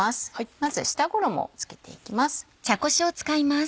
まず下衣を付けていきます。